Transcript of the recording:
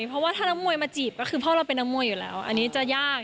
เพราะว่าถ้านักมวยมาจีบก็คือพ่อเราเป็นนักมวยอยู่แล้วอันนี้จะยาก